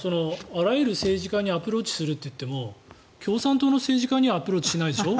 あらゆる政治家にアプローチすると言っていても共産党の政治家にはアプローチしないでしょ？